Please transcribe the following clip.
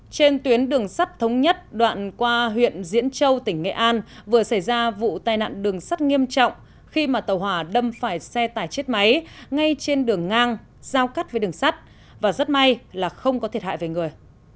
trên tuyến đường sắt thống nhất đoạn qua huyện diễn châu tỉnh nghệ an vừa xảy ra vụ tai nạn đường sắt nghiêm trọng khi mà tàu hỏa đâm phải xe tải chết máy ngay trên đường ngang giao cắt với đường sắt và rất may là không có thiệt hại về người